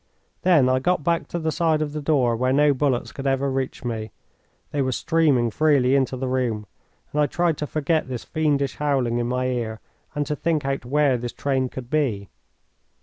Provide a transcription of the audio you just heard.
Then I got back to the side of the door where no bullets could ever reach me they were streaming freely into the room and I tried to forget this fiendish howling in my ear and to think out where this train could be.